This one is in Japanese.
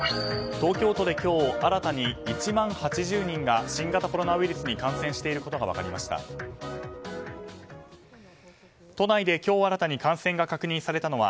東京都で今日新たに１万８０人が新型コロナウイルスに感染していることが分かりました。